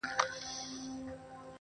• ګټه په تاوان کېږي -